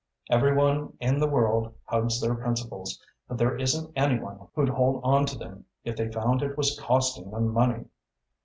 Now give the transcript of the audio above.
Every one in the world hugs their principles, but there isn't any one who'd hold on to them if they found it was costing them money.